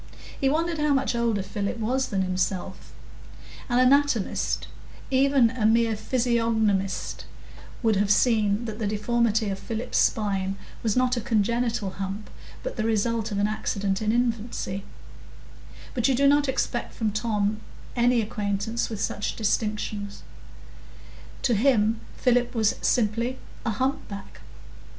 He wondered how much older Philip was than himself. An anatomist—even a mere physiognomist—would have seen that the deformity of Philip's spine was not a congenital hump, but the result of an accident in infancy; but you do not expect from Tom any acquaintance with such distinctions; to him, Philip was simply a humpback.